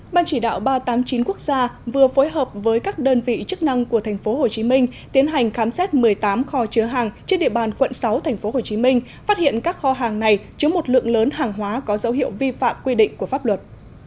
ban chỉ đạo ba trăm tám mươi chín quốc gia vừa phối hợp với các đơn vị chức năng của tp hcm tiến hành khám xét một mươi tám kho chứa hàng trên địa bàn quận sáu tp hcm phát hiện các kho hàng này chứa một lượng lớn hàng hóa có dấu hiệu vi phạm quy định của pháp luật